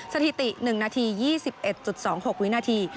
สถิติ๑นาที๒๑๒๖วินาที